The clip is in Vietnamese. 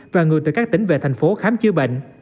và người từ các tỉnh về thành phố khám chữa bệnh